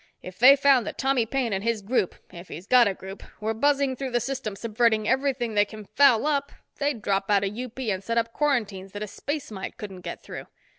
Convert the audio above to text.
If they found that Tommy Paine and his group, if he's got a group, were buzzing through the system subverting everything they can foul up, they'd drop out of UP and set up quarantines that a space mite couldn't get through.